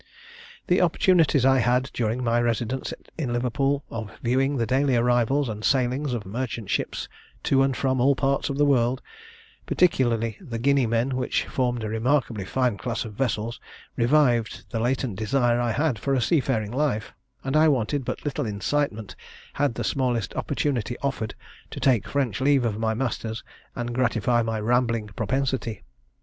"The opportunities I had, during my residence in Liverpool, of viewing the daily arrivals and sailings of merchant ships to and from all parts of the world, particularly the Guineamen, which formed a remarkably fine class of vessels, revived the latent desire I had for a seafaring life; and I wanted but little incitement, had the smallest opportunity offered, to take French leave of my masters, and gratify my rambling propensity.